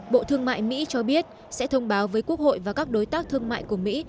bộ thương mại mỹ cho biết sẽ thông báo với quốc hội và các đối tác thương mại của mỹ